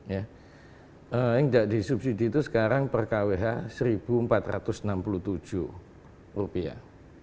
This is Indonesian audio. yang tidak disubsidi itu sekarang per kwh seribu empat ratus enam puluh tujuh rupiah